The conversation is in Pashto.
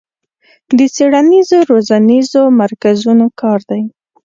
له څېړنیزو روزنیزو مرکزونو کار دی